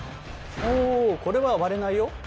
おこれは割れないよ。